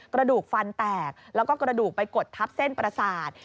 กระดูกฟันแตกแล้วก็กระดูกไปกดทับเส้นประสาท